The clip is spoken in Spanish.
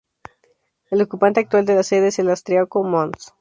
El ocupante actual de la Sede es el austriaco Mons.